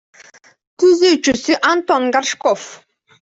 Түзүүчүсү — Антон Горшков.